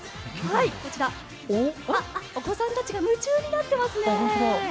お子さんたちが夢中になってますね。